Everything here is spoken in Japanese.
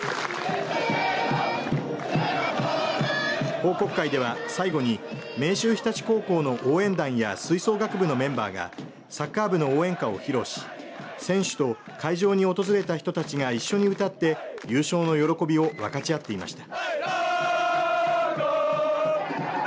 報告会では最後に明秀日立高校の応援団や吹奏楽部のメンバーがサッカー部の応援歌を披露し選手と会場に訪れた人たちが一緒に歌って優勝の喜びを分かち合っていました。